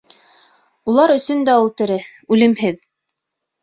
Улар өсөн дә ул тере, үлемһеҙ...